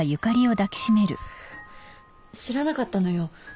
知らなかったのよ。